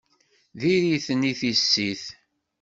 D iri-ten i tissit!